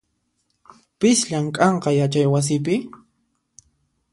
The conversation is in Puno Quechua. Pis llamk'anqa yachaywasipi?